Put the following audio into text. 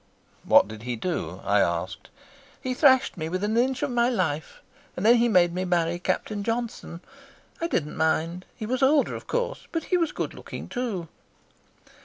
"What did he do?" I asked. "He thrashed me within an inch of my life, and then he made me marry Captain Johnson. I did not mind. He was older, of course, but he was good looking too."